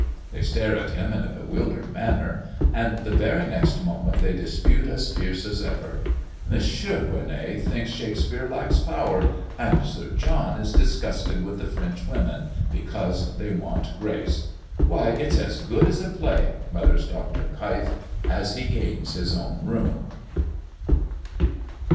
They stare at him in a bewildered manner, and the very next moment they dispute as fierce as ever. "Mons. Gueronnay thinks Shakespeare lacks power; and Sir John is disgusted with the French women, because they want grace! Why it's as good as a play!" mutters Dr. Keif as he gains his own room.